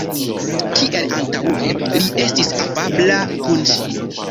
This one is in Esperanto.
Kiel antaŭe, li estis afabla kun ŝi.